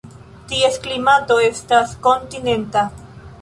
Ties klimato estas kontinenta.